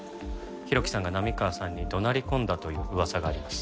浩喜さんが波川さんに怒鳴り込んだという噂があります。